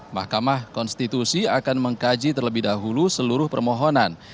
mahkamah konstitusi akan mengkaji terlebih dahulu seluruh permohonan